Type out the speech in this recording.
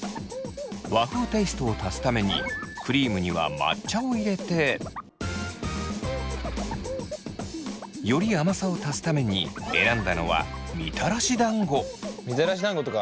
和風テイストを足すためにクリームには抹茶を入れてより甘さを足すために選んだのはみたらし団子とか。